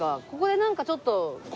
ここでなんかちょっと。